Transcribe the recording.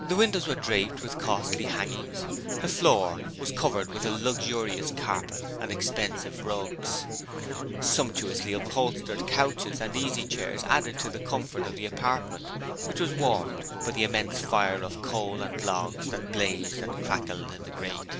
The windows were draped with costly hangings, the floor was covered with a luxurious carpet and expensive rugs. Sumptuously upholstered couches and easy chairs added to the comfort of the apartment, which was warmed by the immense fire of coal and oak logs that blazed and crackled in the grate.